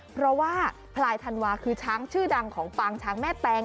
เพราะว่าพลายธันวาคือช้างชื่อดังของปางช้างแม่แตง